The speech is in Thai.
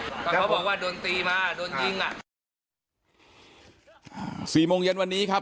เพราะเขาบอกว่าโดนตีมาโดนยิงอ่ะสี่โมงเย็นวันนี้ครับ